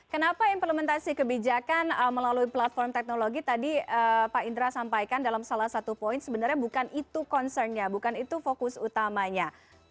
kenapa implementasi kebijakan melalui platform teknologi tadi pak indra sampaikan dalam salah satu poin sebenarnya bukan itu concernnya bukan itu fokus utamanya